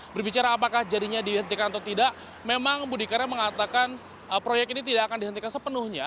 berbicara apakah jadinya dihentikan atau tidak memang budi karya mengatakan proyek ini tidak akan dihentikan sepenuhnya